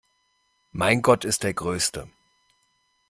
Mein Gott ist der größte!